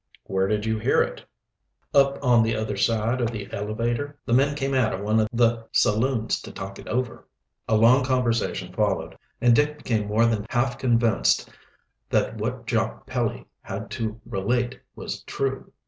"Where did you hear it?" "Up on the other side of the elevator. The men came out of one o' the saloons to talk it over." A long conversation followed, and Dick became more than half convinced that what Jock Pelly had to relate was true.